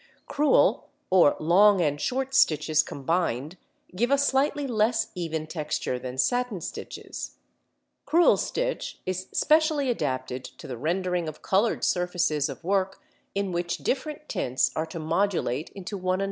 Crewel or long and short stitches combined (Fig. 4) give a slightly less even texture than satin stitches. Crewel stitch is specially adapted to the rendering of coloured surfaces of work in which different tints are to modulate into one another.